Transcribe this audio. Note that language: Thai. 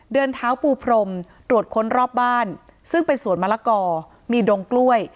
เดินเท้าปูพรมตรวจค้นรอบบ้านซึ่งเป็นสวนมะละกอมีดงกล้วย